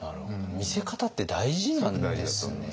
見せ方って大事なんですね。